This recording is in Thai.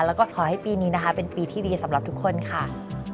แล้วก็ขอให้ปีนี้นะคะเป็นปีที่ดีสำหรับทุกคนค่ะ